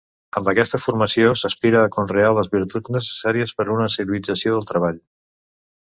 Amb aquesta formació s'aspira a conrear les virtuts necessàries per a una civilització del treball.